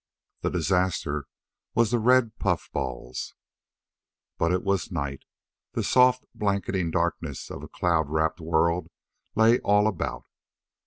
The disaster was the red puffballs. But it was night. The soft, blanketing darkness of a cloud wrapped world lay all about.